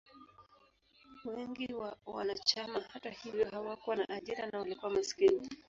Wengi wa wanachama, hata hivyo, hawakuwa na ajira na walikuwa maskini.